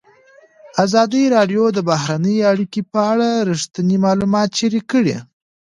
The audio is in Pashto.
ازادي راډیو د بهرنۍ اړیکې په اړه رښتیني معلومات شریک کړي.